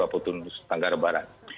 atau di nusa tenggara barat